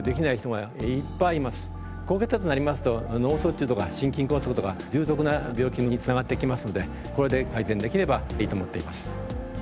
高血圧になりますと脳卒中とか心筋梗塞とか重篤な病気に繋がっていきますのでこれで改善できればいいと思っています。